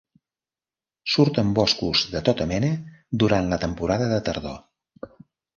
Surt en boscos de tota mena durant la temporada de tardor.